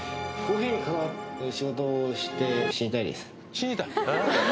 「死にたい」